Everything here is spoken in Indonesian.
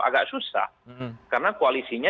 agak susah karena koalisinya